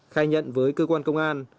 khai nhận với cơ quan công an